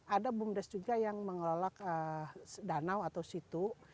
ada bumdes juga yang mengelola danau atau situ